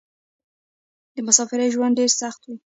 د مسافرۍ ژوند ډېر سخت وې.